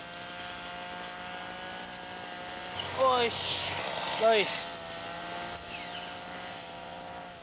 よしはい。